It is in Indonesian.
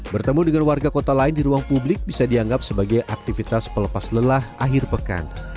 bertemu dengan warga kota lain di ruang publik bisa dianggap sebagai aktivitas pelepas lelah akhir pekan